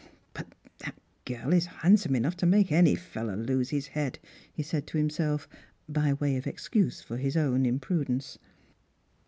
" But that girl is handsome enough to make any fellow lose his head," he said to himself, by way of excuse for his own imprudence.